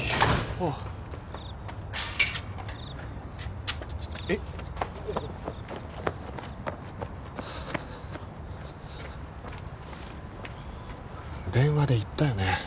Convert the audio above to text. おっ電話で言ったよね